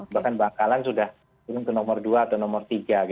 bahkan bangkalan sudah turun ke nomor dua atau nomor tiga